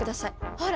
ほら！